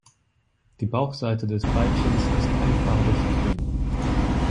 Die Bauchseite des Weibchens ist einfarbig grün.